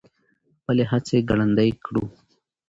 خپلې هڅې ګړندۍ کړو.